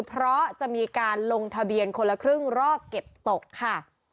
เพราะจะมีการลงทะเบียนคนละครึ่งรอบเก็บตกค่ะ